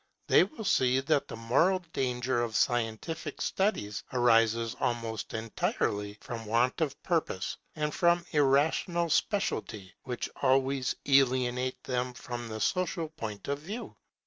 They will see that the moral danger of scientific studies arises almost entirely from want of purpose and from irrational speciality, which always alienate them from the social point of view.